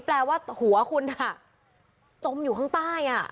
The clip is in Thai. แปลว่าหัวคุณจมอยู่ข้างใต้